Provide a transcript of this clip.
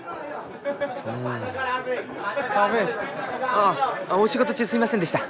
あっお仕事中すみませんでした。